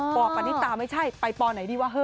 ปณิตาไม่ใช่ไปปไหนดีวะเฮ